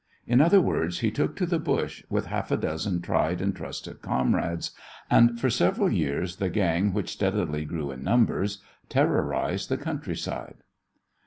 In other words, he took to the bush with half a dozen tried and trusted comrades, and for several years the gang, which steadily grew in numbers, terrorised the country side.